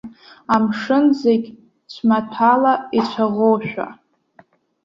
Амшын зегь цәмаҭәала ицәаӷәоушәа.